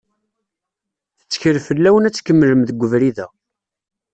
Tettkel fell-awen ad tkemlem deg ubrid-a.